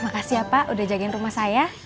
makasih ya pak udah jagain rumah saya